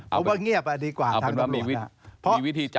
เอาว่าเงียบอ่ะดีกว่าทางตำรวจน่ะ